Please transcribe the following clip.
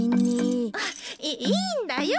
あっいいいんだよ。